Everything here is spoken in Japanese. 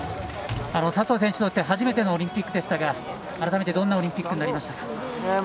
佐藤選手にとって初めてのオリンピックでしたが改めてどんなオリンピックになりましたか？